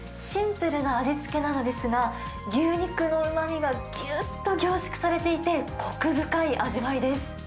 シンプルな味付けなのですが、牛肉のうまみがぎゅっと凝縮されていて、こく深い味わいです。